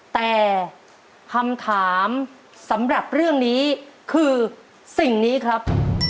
แต่คำถามสำหรับเรื่องนี้คือสิ่งนี้ครับ